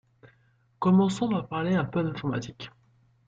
Commençons par parler un peu d’informatique...